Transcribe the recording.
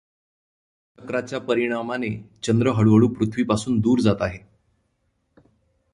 या चक्राच्या परीणामाने चंद्र हळूहळू पृथ्वीपासून दूर जात आहे.